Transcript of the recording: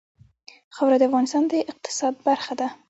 خاوره د افغانستان د اقتصاد برخه ده.